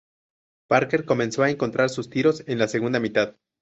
Parker comenzó a encontrar sus tiros en la segunda mitad.